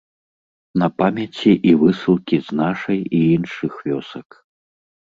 На памяці і высылкі з нашай і іншых вёсак.